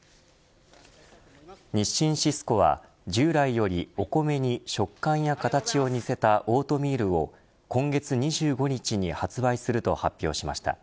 日清シスコは従来よりお米に食感や形を似せたオートミールを今月２５日に発売すると発表しました。